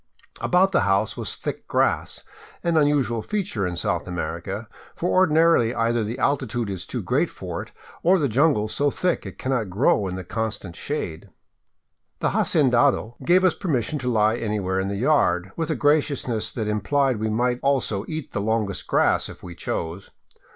About the house was thick grass, an unusual feature in South Amer ica, for ordinarily either the altitude is too great for it, or the jungle so thick it cannot grow in the constant shade. The hacendado gave us permission to lie anywhere in the yard, with a graciousness that im plied we might also eat the longest grass if we chose.